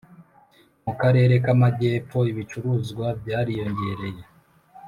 mu karere ka majyepfo, ibicuruzwa byariyongereyeho